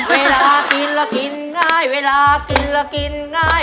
เวลากินแล้วกินง่ายเวลากินแล้วกินง่าย